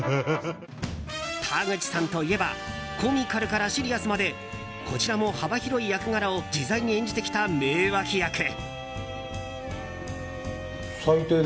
田口さんといえばコミカルからシリアスまでこちらも幅広い役柄を自在に演じてきた名脇役。